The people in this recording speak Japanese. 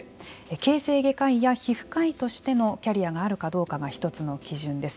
形成外科医や皮膚科医としてのキャリアがあるかどうかが一つの基準です。